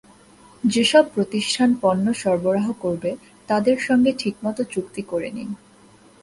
যেসব প্রতিষ্ঠান পণ্য সরবরাহ করবে, তাদের সঙ্গে ঠিকমতো চুক্তি করে নিন।